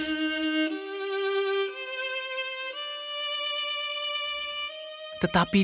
tetapi dia selalu berpikir